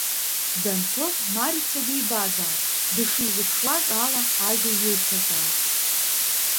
Данцоз Марица дибазаап, дышизԥшуаз ала ажәа илҭазаап.